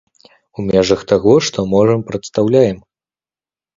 У межах таго, што можам прадастаўляем.